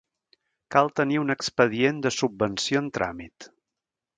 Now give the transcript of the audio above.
Cal tenir un expedient de subvenció en tràmit.